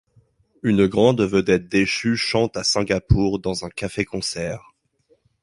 Une grande vedette déchue chante à Singapour dans un café-concert.